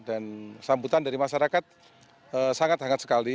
dan sambutan dari masyarakat sangat hangat sekali